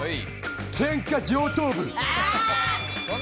けんか上等部。